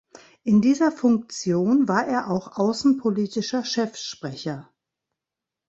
In dieser Funktion war er auch außenpolitischer Chefsprecher.